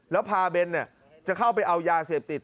แล้วพาเบนจะเข้าไปเอายาเสพติด